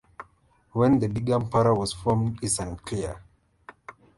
When the Begum Para was formed is unclear.